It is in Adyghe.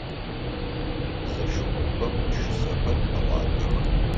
Зэшыпхъухэм пшысэхэр къаӏуатэх.